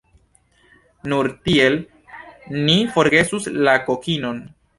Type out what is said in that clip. Nur tiel ni forgesus la kokinon.